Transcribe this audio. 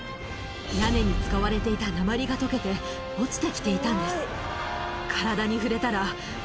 屋根に使われていた鉛が溶けて落ちてきていたんです。